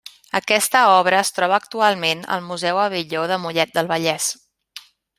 Aquesta obra es troba actualment al Museu Abelló de Mollet del Vallès.